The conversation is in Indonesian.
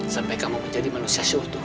sampai kamu menjadi manusia syuku